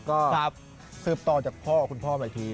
ก็ซื้อต่อจากพ่อคุณพ่อใหม่ที